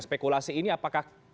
spekulasi ini apakah